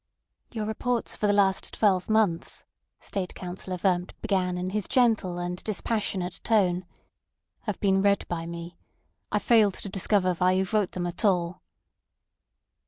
"Your reports for the last twelve months," State Councillor Wurmt began in his gentle and dispassionate tone, "have been read by me. I failed to discover why you wrote them at all."